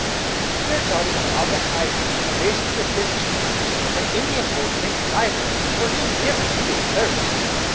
Here, John, is a mug of cider, laced with whiskey. An Indian will drink cider, though he niver be athirst."